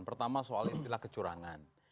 pertama soal istilah kecurangan